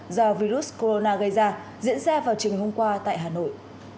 do virus corona gây ra diễn ra vào trường hôm qua tại hà nội